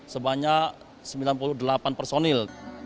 sebanyak sembilan puluh delapan personil